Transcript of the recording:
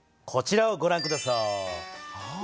こちらをごらん下さい。